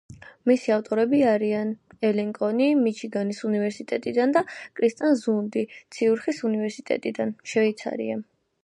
მისი ავტორები არიან: ელინ კონი მიჩიგანის უნივერსიტეტიდან და კრისტიან ზუნდი ციურიხის უნივერსიტეტიდან, შვეიცარია.